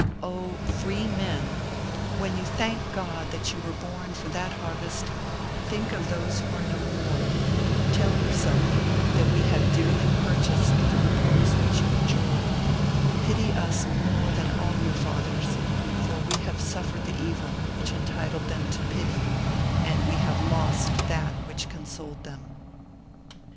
Oh! free men! when you thank God that you were born for that harvest, think of those who are no more, tell yourself that we have dearly purchased the repose which you enjoy; pity us more than all your fathers, for we have suffered the evil which entitled them to pity and we have lost that which consoled them.